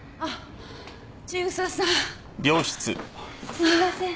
すみません。